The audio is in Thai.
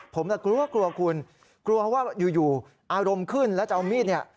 ผมก็กลัวคุณกลัวว่าอยู่อารมณ์ขึ้นแล้วจะเอามีดเนี่ย